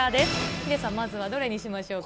ヒデさん、まずはどれにしましょうか。